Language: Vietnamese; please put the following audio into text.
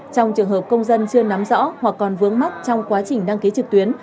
trong trường hợp công dân chưa nắm rõ hoặc còn vướng mắt trong quá trình đăng ký trực tuyến